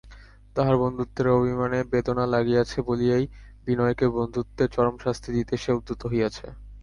তাহার বন্ধুত্বের অভিমানে বেদনা লাগিয়াছে বলিয়াই বিনয়কে বন্ধুত্বের চরম শাস্তি দিতে সে উদ্যত হইয়াছে।